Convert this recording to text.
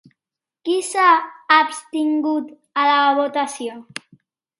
Qui s'ha abstingut a la votació?